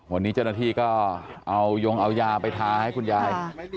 วันนี้เจ้าหน้าที่ก็เอายงเอายาไปทาให้คุณยาย